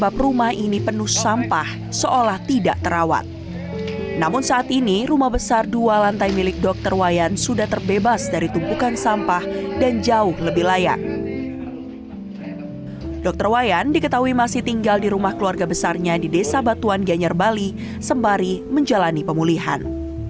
pihak keluarga belum memikirkan rencana ke depan